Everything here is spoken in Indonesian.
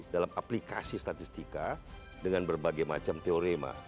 dalam aplikasi statistika dengan berbagai macam teorema